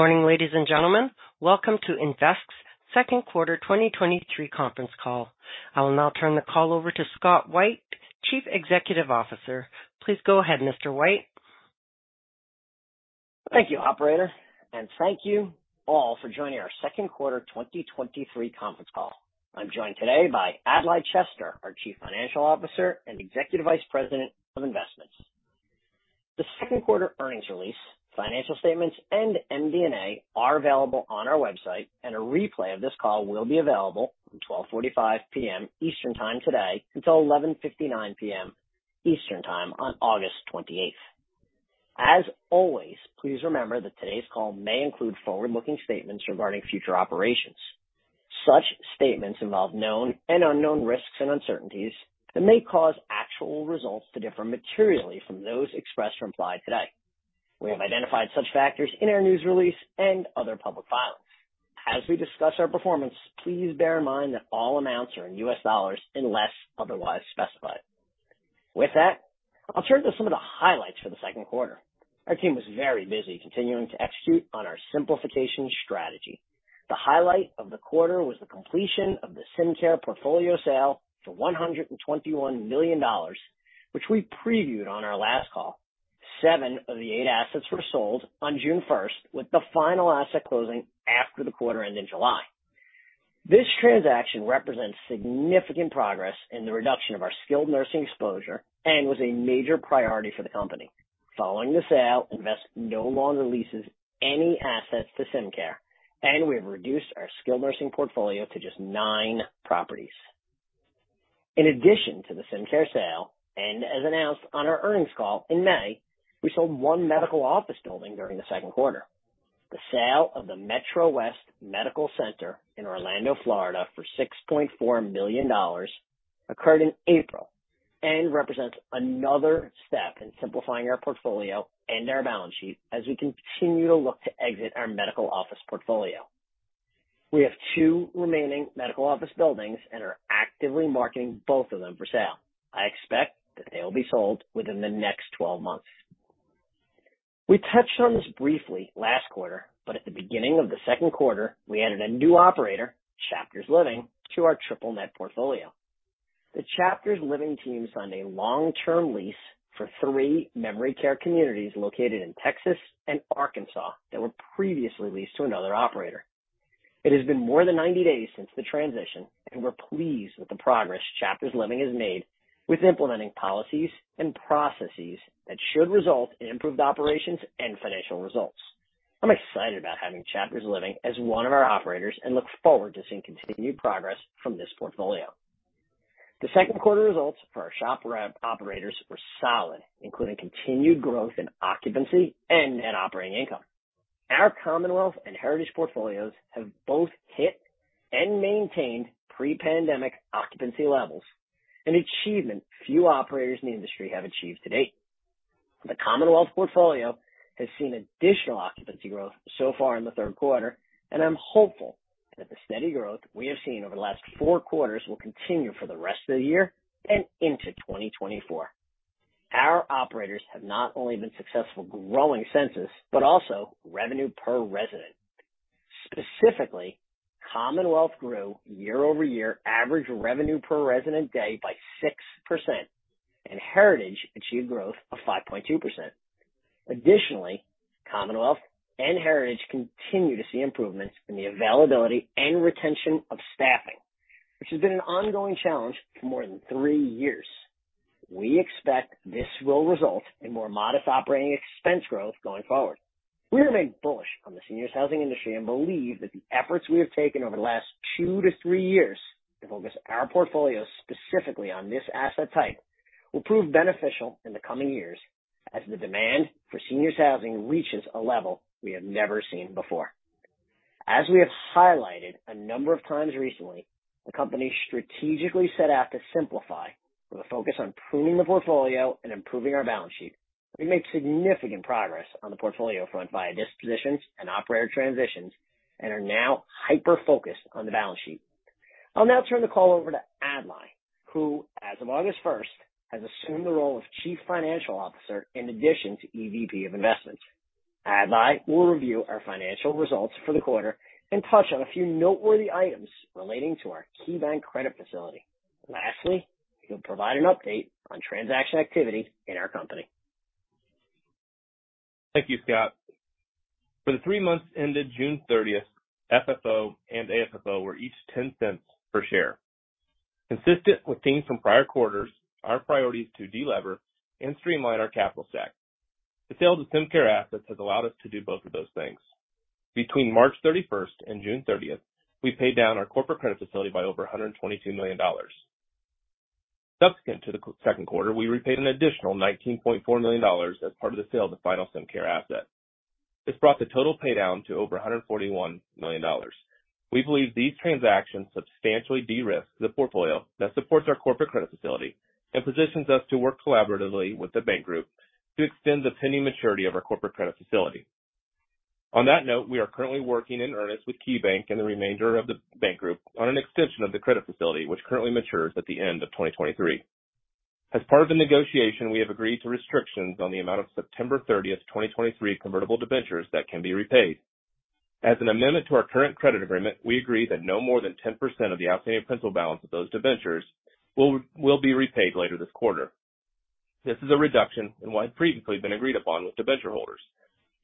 Good morning, ladies and gentlemen. Welcome to Invesque's second quarter 2023 conference call. I will now turn the call over to Scott White, Chief Executive Officer. Please go ahead, Mr. White. Thank you, operator, and thank you all for joining our second quarter 2023 conference call. I'm joined today by Adlai Chester, our Chief Financial Officer and Executive Vice President of Investments. The second quarter earnings release, financial statements, and MD&A are available on our website, and a replay of this call will be available from 12:45 P.M. Eastern Time today until 11:59 P.M. Eastern Time on August 28th. As always, please remember that today's call may include forward-looking statements regarding future operations. Such statements involve known and unknown risks and uncertainties that may cause actual results to differ materially from those expressed or implied today. We have identified such factors in our news release and other public filings. As we discuss our performance, please bear in mind that all amounts are in U.S. dollars unless otherwise specified. With that, I'll turn to some of the highlights for the second quarter. Our team was very busy continuing to execute on our simplification strategy. The highlight of the quarter was the completion of the Symcare portfolio sale for $121 million, which we previewed on our last call. Seven of the eight assets were sold on June 1, with the final asset closing after the quarter end in July. This transaction represents significant progress in the reduction of our skilled nursing exposure and was a major priority for the company. Following the sale, Invesque no longer leases any assets to Symcare, and we have reduced our skilled nursing portfolio to just nine properties. In addition to the Symcare sale, and as announced on our earnings call in May, we sold 1 medical office building during the second quarter. The sale of the MetroWest Medical Center in Orlando, Florida, for $6.4 million occurred in April and represents another step in simplifying our portfolio and our balance sheet as we continue to look to exit our medical office portfolio. We have two remaining medical office buildings and are actively marketing both of them for sale. I expect that they will be sold within the next 12 months. We touched on this briefly last quarter, but at the beginning of the second quarter, we added a new operator, Chapters Living, to our triple net portfolio. The Chapters Living team signed a long-term lease for three memory care communities located in Texas and Arkansas that were previously leased to another operator. It has been more than 90 days since the transition, and we're pleased with the progress Chapters Living has made with implementing policies and processes that should result in improved operations and financial results. I'm excited about having Chapters Living as one of our operators and look forward to seeing continued progress from this portfolio. The second quarter results for our SHOP rep operators were solid, including continued growth in occupancy and net operating income. Our Commonwealth and Heritage portfolios have both hit and maintained pre-pandemic occupancy levels, an achievement few operators in the industry have achieved to date. The Commonwealth portfolio has seen additional occupancy growth so far in the third quarter, and I'm hopeful that the steady growth we have seen over the last four quarters will continue for the rest of the year and into 2024. Our operators have not only been successful growing census, but also revenue per resident. Specifically, Commonwealth grew year-over-year average revenue per resident day by 6%, and Heritage achieved growth of 5.2%. Additionally, Commonwealth and Heritage continue to see improvements in the availability and retention of staffing, which has been an ongoing challenge for more than three-two years. We expect this will result in more modest operating expense growth going forward. We remain bullish on the seniors housing industry and believe that the efforts we have taken over the last two to four years to focus our portfolio specifically on this asset type, will prove beneficial in the coming years as the demand for seniors housing reaches a level we have never seen before. As we have highlighted a number of times recently, the company strategically set out to simplify, with a focus on pruning the portfolio and improving our balance sheet. We made significant progress on the portfolio front via dispositions and operator transitions and are now hyper-focused on the balance sheet. I'll now turn the call over to Adlai, who, as of August first, has assumed the role of Chief Financial Officer in addition to EVP of Investments. Adlai will review our financial results for the quarter and touch on a few noteworthy items relating to our KeyBank credit facility. Lastly, he'll provide an update on transaction activity in our company. Thank you, Scott. For the three months ended June 30th, FFO and AFFO were each $0.10 per share. Consistent with themes from prior quarters, our priority is to delever and streamline our capital stack. The sale to Symcare Assets has allowed us to do both of those things. Between March 31st and June 30th, we paid down our corporate credit facility by over $122 million. Subsequent to the second quarter, we repaid an additional $19.4 million as part of the sale of the final Symcare asset. This brought the total paydown to over $141 million. We believe these transactions substantially de-risk the portfolio that supports our corporate credit facility and positions us to work collaboratively with the bank group to extend the pending maturity of our corporate credit facility. On that note, we are currently working in earnest with KeyBank and the remainder of the bank group on an extension of the credit facility, which currently matures at the end of 2023. As part of the negotiation, we have agreed to restrictions on the amount of September 30, 2023 convertible debentures that can be repaid. As an amendment to our current credit agreement, we agree that no more than 10% of the outstanding principal balance of those debentures will be repaid later this quarter. This is a reduction in what had previously been agreed upon with debenture holders,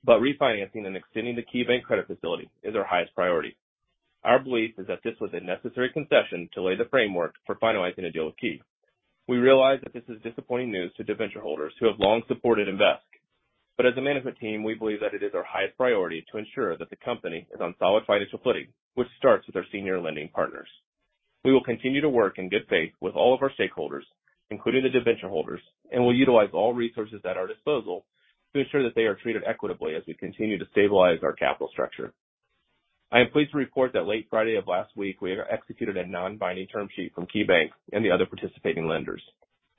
but refinancing and extending the KeyBank credit facility is our highest priority. Our belief is that this was a necessary concession to lay the framework for finalizing a deal with KeyBank. We realize that this is disappointing news to debenture holders who have long supported Invesque, but as a management team, we believe that it is our highest priority to ensure that the company is on solid financial footing, which starts with our senior lending partners. We will continue to work in good faith with all of our stakeholders, including the debenture holders, and will utilize all resources at our disposal to ensure that they are treated equitably as we continue to stabilize our capital structure. I am pleased to report that late Friday of last week, we executed a non-binding term sheet from KeyBank and the other participating lenders.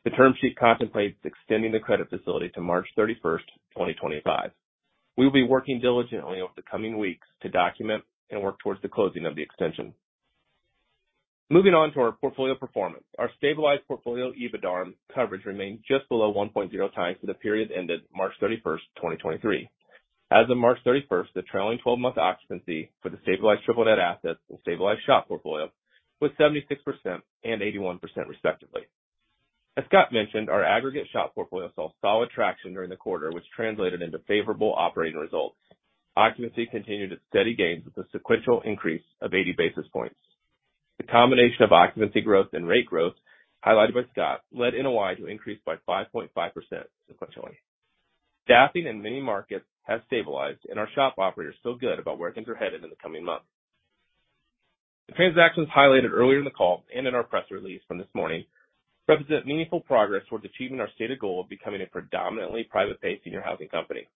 The term sheet contemplates extending the credit facility to March 31, 2025. We will be working diligently over the coming weeks to document and work towards the closing of the extension. Moving on to our portfolio performance. Our stabilized portfolio EBITDA coverage remained just below 1.0 times for the period ended March 31, 2023. As of March 31, the trailing twelve-month occupancy for the stabilized triple net assets and stabilized shop portfolio was 76% and 81% respectively. As Scott mentioned, our aggregate shop portfolio saw solid traction during the quarter, which translated into favorable operating results. Occupancy continued its steady gains with a sequential increase of 80 basis points. The combination of occupancy growth and rate growth, highlighted by Scott, led NOI to increase by 5.5% sequentially. Staffing in many markets has stabilized, and our shop operators feel good about where things are headed in the coming months. The transactions highlighted earlier in the call and in our press release from this morning represent meaningful progress towards achieving our stated goal of becoming a predominantly private-pay senior housing company.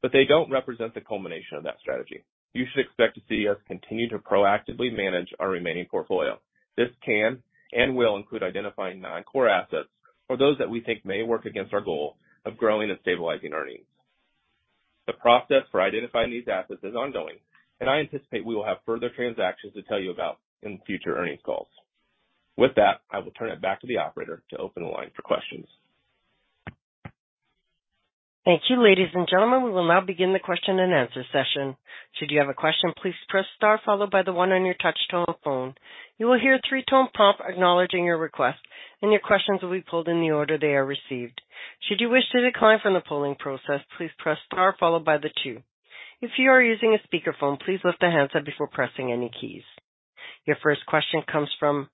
But they don't represent the culmination of that strategy. You should expect to see us continue to proactively manage our remaining portfolio. This can and will include identifying non-core assets or those that we think may work against our goal of growing and stabilizing earnings. The process for identifying these assets is ongoing, and I anticipate we will have further transactions to tell you about in future earnings calls. With that, I will turn it back to the operator to open the line for questions. Thank you, ladies and gentlemen. We will now begin the question-and-answer session. Should you have a question, please press star followed by the one on your touch tone phone. You will hear a three-tone prompt acknowledging your request, and your questions will be pulled in the order they are received. Should you wish to decline from the polling process, please press star followed by the two. If you are using a speakerphone, please lift the handset before pressing any keys. Your first question comes from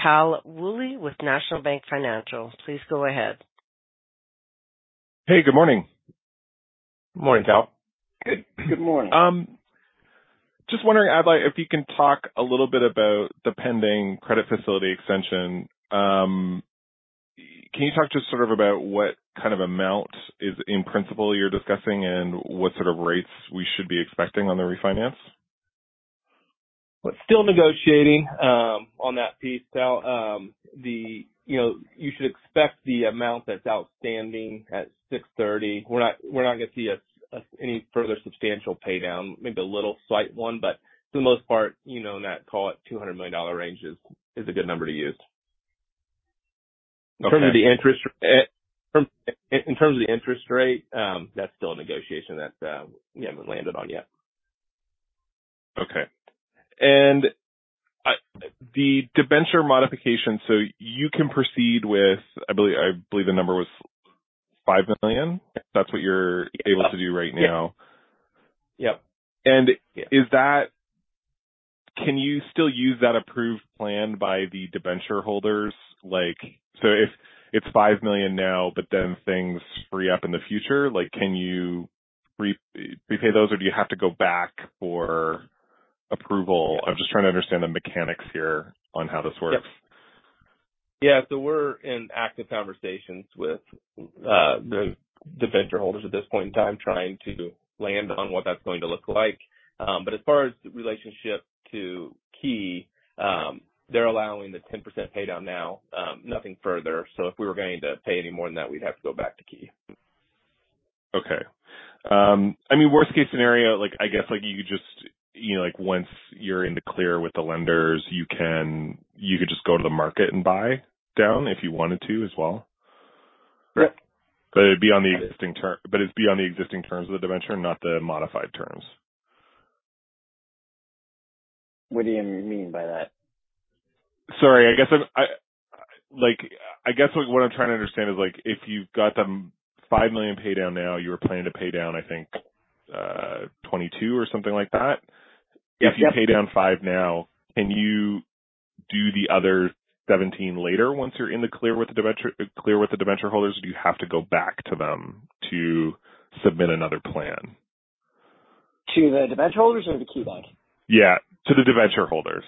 Tal Woolley with National Bank Financial. Please go ahead. Hey, good morning. Morning, Cal. Good morning. Just wondering, I'd like if you can talk a little bit about the pending credit facility extension. Can you talk just sort of about what kind of amount is in principle you're discussing and what sort of rates we should be expecting on the refinance? We're still negotiating on that piece, Cal. You know, you should expect the amount that's outstanding at June 30. We're not gonna see any further substantial pay down, maybe a little slight one, but for the most part, you know, in that, call it $200 million range is a good number to use. Okay. In terms of the interest rate, that's still a negotiation that we haven't landed on yet. Okay. And, the debenture modification, so you can proceed with, I believe, I believe the number was $5 million. That's what you're able to do right now? Yep. Is that can you still use that approved plan by the debenture holders? Like, so if it's $5 million now, but then things free up in the future, like, can you repay those, or do you have to go back for approval? I'm just trying to understand the mechanics here on how this works. Yeah. So we're in active conversations with the debenture holders at this point in time, trying to land on what that's going to look like. But as far as the relationship to Key, they're allowing the 10% pay down now, nothing further. So if we were going to pay any more than that, we'd have to go back to Key. Okay. I mean, worst case scenario, like, I guess, like, you just, you know, like, once you're in the clear with the lenders, you can—you could just go to the market and buy down if you wanted to as well? Right. But it'd be on the existing terms of the debenture, not the modified terms. What do you mean by that? Sorry, I guess I'm like, I guess what I'm trying to understand is, like, if you've got the $5 million pay down now, you were planning to pay down, I think, $22 or something like that. Yes. If you pay down $5 now, can you do the other 17 later once you're in the clear with the debenture, clear with the debenture holders? Or do you have to go back to them to submit another plan? To the debenture holders or the KeyBank? Yeah, to the debenture holders.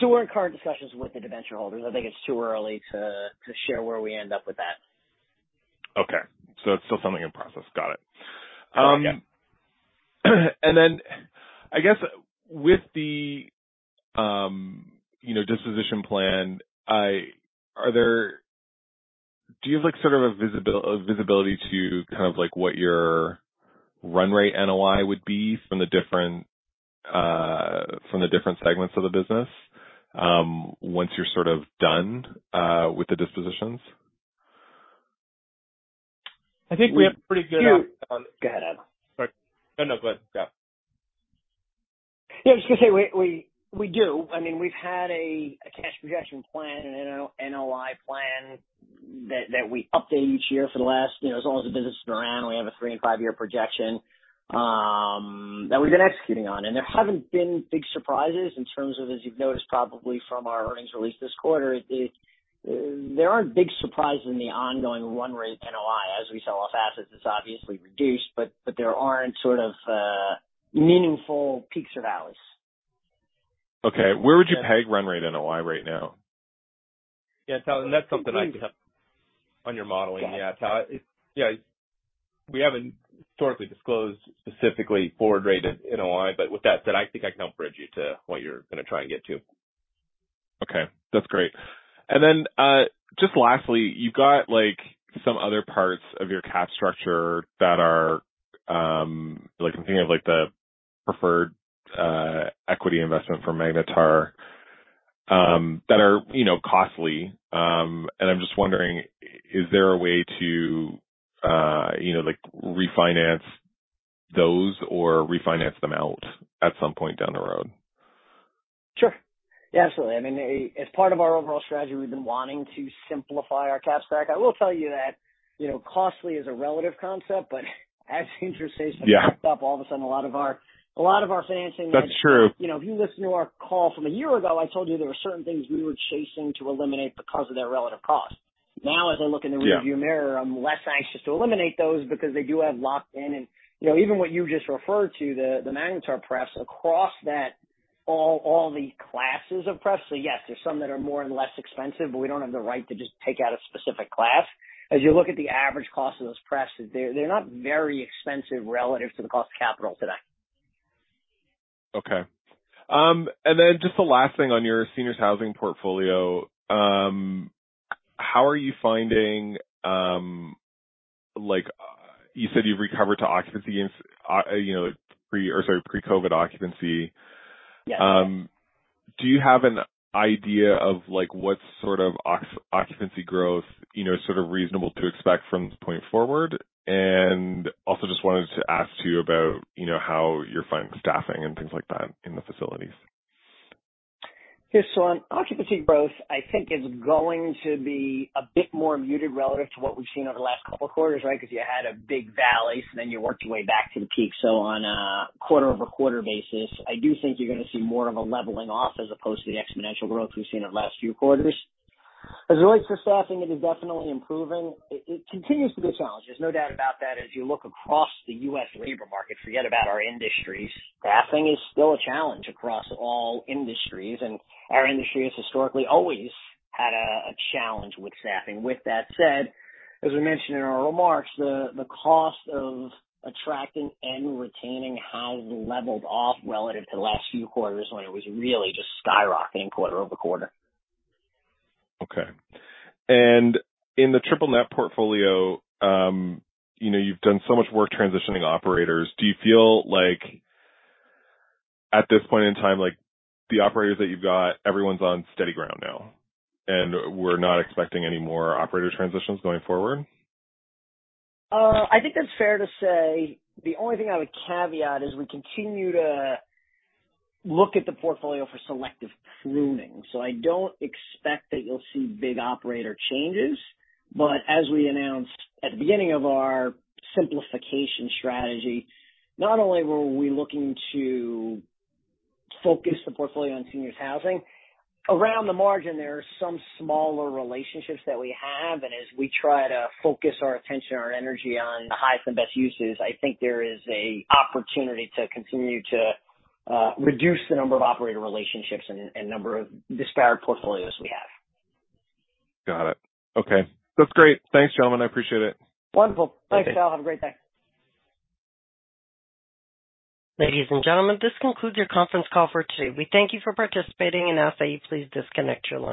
So we're in current discussions with the debenture holders. I think it's too early to share where we end up with that. Okay. So it's still something in process. Got it. Um, yeah. Then I guess with the, you know, disposition plan, do you have like sort of a visibility to kind of like what your run rate NOI would be from the different, from the different segments of the business, once you're sort of done with the dispositions? I think we have a pretty good. Go ahead. Sorry. Oh, no, go ahead. Yeah. Yeah, I was just gonna say, we do. I mean, we've had a cash projection plan, an NOI plan that we update each year for the last, you know, as long as the business has been around, we have a three and five-year projection that we've been executing on. And there haven't been big surprises in terms of, as you've noticed, probably from our earnings release this quarter, there aren't big surprises in the ongoing run rate NOI. As we sell off assets, it's obviously reduced, but there aren't sort of meaningful peaks or valleys. Okay. Where would you peg run rate NOI right now? Yeah, Cal, that's something I can help on your modeling. Yeah, Cal. Yeah, we haven't historically disclosed specifically forward rate NOI, but with that said, I think I can help bridge you to what you're going to try and get to. Okay, that's great. And then, just lastly, you've got, like, some other parts of your cap structure that are, like, I'm thinking of, like, the preferred equity investment from Magnetar, that are, you know, costly. And I'm just wondering, is there a way to, you know, like, refinance those or refinance them out at some point down the road? Sure. Yeah, absolutely. I mean, as part of our overall strategy, we've been wanting to simplify our cap stack. I will tell you that, you know, costly is a relative concept, but as interest rates- Yeah have gone up, all of a sudden, a lot of our financing- That's true. You know, if you listen to our call from a year ago, I told you there were certain things we were chasing to eliminate because of their relative cost. Now, as I look in the rearview mirror- Yeah... I'm less anxious to eliminate those because they do have locked in. And, you know, even what you just referred to, the Magnetar PREPs, across that, all the classes of PREPs, so yes, there's some that are more and less expensive, but we don't have the right to just take out a specific class. As you look at the average cost of those PREPs, they're not very expensive relative to the cost of capital today. Okay. And then just the last thing on your senior housing portfolio. How are you finding, like, you said, you've recovered to occupancy in, you know, pre- or, sorry, pre-COVID occupancy? Yes. Do you have an idea of, like, what sort of occupancy growth, you know, is sort of reasonable to expect from this point forward? And also just wanted to ask, too, about, you know, how you're finding staffing and things like that in the facilities. Yeah, so on occupancy growth, I think is going to be a bit more muted relative to what we've seen over the last couple of quarters, right? Because you had a big valley, so then you worked your way back to the peak. So on a quarter-over-quarter basis, I do think you're going to see more of a leveling off as opposed to the exponential growth we've seen in the last few quarters. As it relates to staffing, it is definitely improving. It, it continues to be a challenge, there's no doubt about that. As you look across the U.S. labor market, forget about our industries, staffing is still a challenge across all industries, and our industry has historically always had a, a challenge with staffing. With that said, as we mentioned in our remarks, the cost of attracting and retaining has leveled off relative to the last few quarters, when it was really just skyrocketing quarter-over-quarter. Okay. In the triple net portfolio, you know, you've done so much work transitioning operators. Do you feel like at this point in time, like, the operators that you've got, everyone's on steady ground now, and we're not expecting any more operator transitions going forward? I think that's fair to say. The only thing I would caveat is we continue to look at the portfolio for selective pruning, so I don't expect that you'll see big operator changes. But as we announced at the beginning of our simplification strategy, not only were we looking to focus the portfolio on seniors housing, around the margin, there are some smaller relationships that we have, and as we try to focus our attention, our energy on the highest and best uses, I think there is a opportunity to continue to reduce the number of operator relationships and number of disparate portfolios we have. Got it. Okay. That's great. Thanks, gentlemen. I appreciate it. Wonderful. Thanks, Cal. Have a great day. Ladies and gentlemen, this concludes your conference call for today. We thank you for participating and ask that you please disconnect your line.